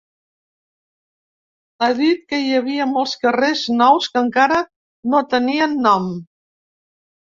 Ha dit que hi havia molts carrers nous que encara no tenien nom.